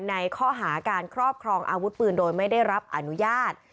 ในข้อหาการครอบครองอาวุธปืนโดยไม่ได้รับอนุญาต